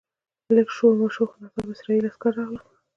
لږ شور ماشور و خو ناڅاپه اسرایلي عسکر راغلل.